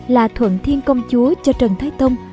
là thuận thiên công chúa cho trần thái tông